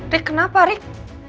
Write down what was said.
rik kenapa rik